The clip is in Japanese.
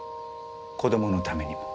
子供のためにも。